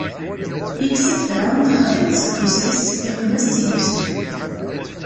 Ikkes-d Ferɛun taxatemt seg ufus-is, iqqen-as-tt i Yusef.